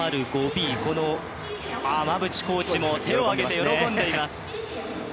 馬淵コーチも手を上げて喜んでいます。